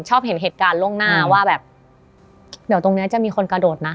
เห็นเหตุการณ์ล่วงหน้าว่าแบบเดี๋ยวตรงเนี้ยจะมีคนกระโดดนะ